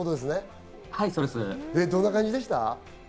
どんな感じでした？